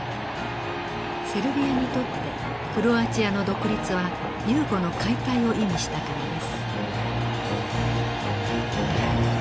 セルビアにとってクロアチアの独立はユーゴの解体を意味したからです。